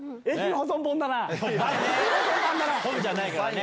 本じゃないからね。